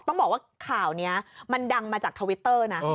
ต้องบอกว่าข่าวนี้มันดังมาจากทวิตเตอร์นะ